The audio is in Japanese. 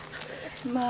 まあ